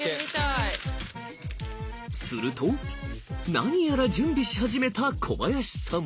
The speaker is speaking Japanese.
すると何やら準備し始めた小林さん。